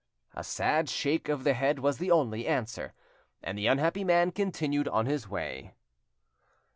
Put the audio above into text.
A sad shake of the head was the only answer, and the unhappy man continued his way.